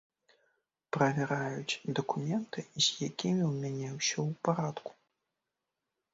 Правяраюць дакументы, з якімі ў мяне ўсё ў парадку.